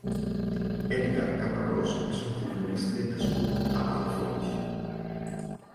Edgar Caparrós és un futbolista nascut a Palafolls.